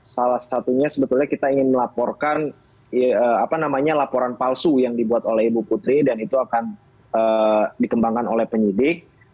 salah satunya sebetulnya kita ingin melaporkan laporan palsu yang dibuat oleh ibu putri dan itu akan dikembangkan oleh penyidik